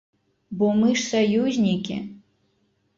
Бо мы ж саюзнікі!